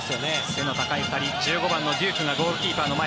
背の高い２人１５番のデュークがゴールキーパーの前。